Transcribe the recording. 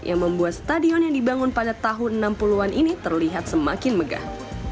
yang membuat stadion yang dibangun pada tahun enam puluh an ini terlihat semakin megah